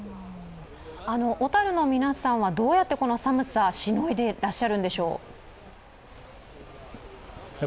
小樽の皆さんはどうやってこの寒さ、しのいでいらっしゃるんでしょう？